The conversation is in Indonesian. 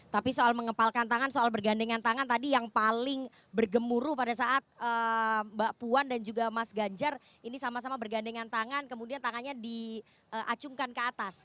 tapi soal mengepalkan tangan soal bergandengan tangan tadi yang paling bergemuruh pada saat mbak puan dan juga mas ganjar ini sama sama bergandengan tangan kemudian tangannya diacungkan ke atas